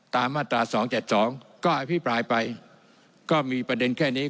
มาตรา๒๗๒ก็อภิปรายไปก็มีประเด็นแค่นี้